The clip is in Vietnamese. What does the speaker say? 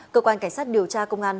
cơ quan cảnh sát điều tra công an